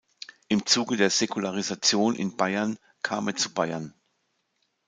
Im Zuge der Säkularisation in Bayern kam er zu Bayern.